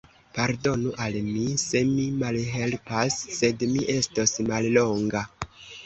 Pardonu al mi, se mi malhelpas; sed mi estos mallonga.